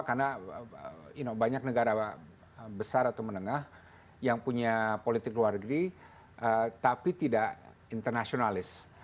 karena banyak negara besar atau menengah yang punya politik luar negeri tapi tidak internasionalis